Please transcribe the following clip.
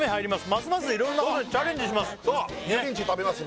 ますますいろんなことにチャレンジしますそう油淋鶏食べます